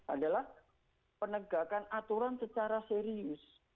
adalah penegakan aturan secara serius